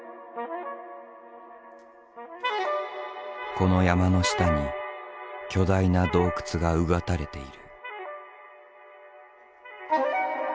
この山の下に巨大な洞窟が穿たれている。